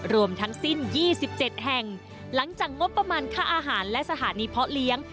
รวมทั้งสิ้น๒๗แห่งหลังจากงบประมาณค่าอาหารและสถานีเพาะเลี้ยง